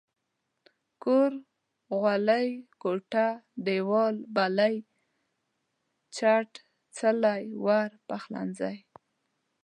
کور ، غولی، کوټه، ديوال، بلۍ، چت، څلی، ور، پخلنځي